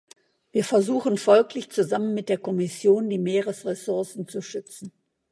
Wir versuchen folglich zusammen mit der Kommission, die Meeresressourcen zu schützen.